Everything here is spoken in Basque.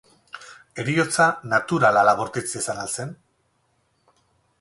Heriotza naturala ala bortitza izan al zen?